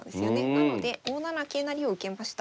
なので５七桂成を受けました。